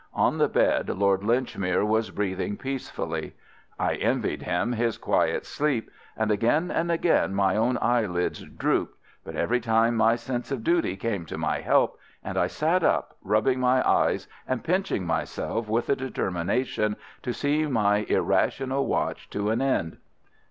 On the bed Lord Linchmere was breathing peacefully. I envied him his quiet sleep, and again and again my own eyelids drooped, but every time my sense of duty came to my help, and I sat up, rubbing my eyes and pinching myself with a determination to see my irrational watch to an end.